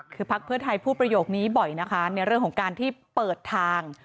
คือพักเพื่อไทยพูดประโยคนี้บ่อยนะคะในเรื่องของการที่เปิดทาง